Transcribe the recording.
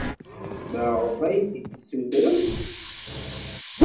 Maɣef ay t-id-tessutremt?